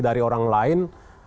dari orang lain